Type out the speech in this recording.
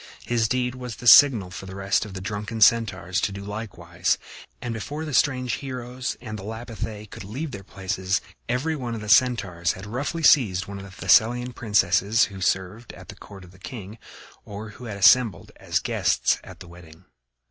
His deed was the signal for the rest of the drunken Centaurs to do likewise, and before the strange heroes and the Lapithæ could leave their places, every one of the Centaurs had roughly seized one of the Thessalian princesses who served at the court of the king or who had assembled as guests at the wedding.